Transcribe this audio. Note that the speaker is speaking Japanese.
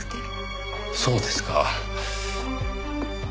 そうですか。